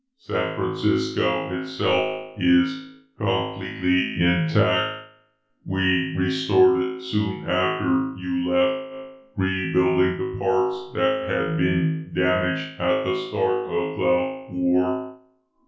"San Francisco itself is completely intact. We restored it soon after you left, rebuilding the parts that had been damaged at the start of the war.